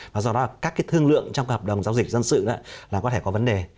và do đó các thương lượng trong hợp đồng giao dịch dân sự là có thể có vấn đề